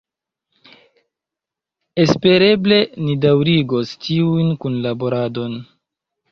Espereble ni daŭrigos tiun kunlaboradon.